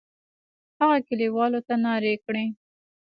هغه کلیوالو ته نارې کړې.